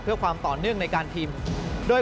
เพื่อความต่อเนื่องในการพิมพ์